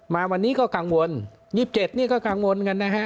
มาวันนี้ก็กังวล๒๗นี่ก็กังวลกันนะฮะ